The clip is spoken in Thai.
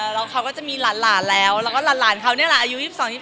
แล้วเขาก็จะมีหลานแล้วแล้วก็หลานเขานี่แหละอายุ๒๒